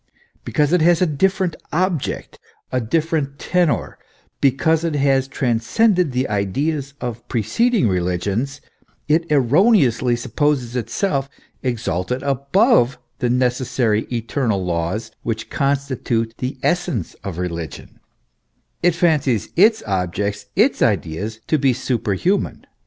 Because it has a different object, a different tenour, because it has transcended the ideas of preceding religions, it erroneously supposes itself exalted above the necessary eternal laws which constitute the essence of religion it fancies its object, its ideas, to be superhuman.